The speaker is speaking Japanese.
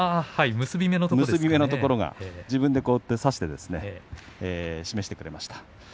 結び目のところを自分で差して示してくれました。